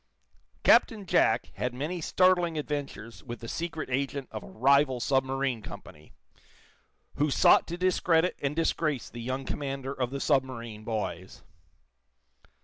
Captain Jack had many startling adventures with the secret agent of a rival submarine company, who sought to discredit and disgrace the young commander of the submarine boys.